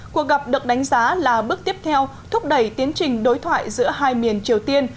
cuộc gặp được đánh giá là bước tiếp theo thúc đẩy tiến trình đối thoại giữa hai miền triều tiên